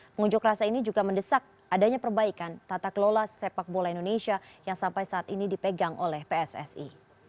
pengunjuk rasa ini juga mendesak adanya perbaikan tata kelola sepak bola indonesia yang sampai saat ini dipegang oleh pssi